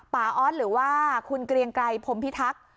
ออสหรือว่าคุณเกรียงไกรพรมพิทักษ์